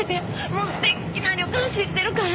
もう素敵な旅館知ってるから！